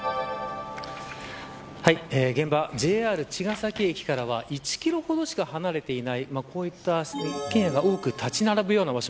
現場、ＪＲ茅ケ崎駅からは１キロほどしか離れていない一軒家が多く立ち並ぶ場所。